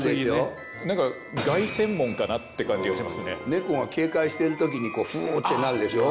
ネコが警戒してる時にこうフーッてなるでしょう。